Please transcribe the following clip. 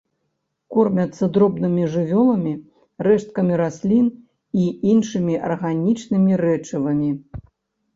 Кормяцца дробнымі жывёламі, рэшткамі раслін і іншымі арганічнымі рэчывамі.